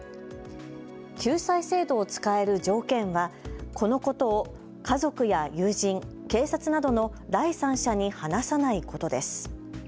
救済制度を使える条件はこのことを家族や友人、警察などの第三者に話さないことです。